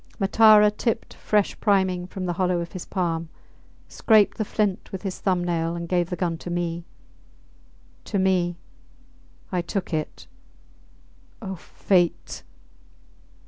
Matara tipped fresh priming from the hollow of his palm, scraped the flint with his thumb nail, and gave the gun to me. To me! I took it ... O fate!